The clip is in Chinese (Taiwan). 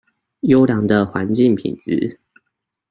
優良的環境品質